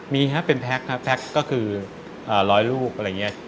มีฮะเป็นแพ็คฮะแพ็คก็คือ๑๐๐ลูกอะไรอย่างนี้